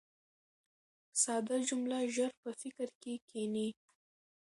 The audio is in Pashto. ساده جمله ژر په فکر کښي کښېني.